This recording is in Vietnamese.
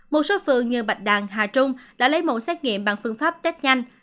một số phường như bạch đàn hà trung đã lấy một xét nghiệm bằng phương pháp tết nhanh